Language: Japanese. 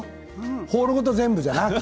ホールごと全部じゃなくて。